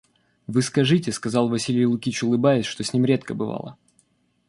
Вы скажите, — сказал Василий Лукич улыбаясь, что с ним редко бывало.